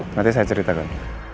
nanti saya ceritakan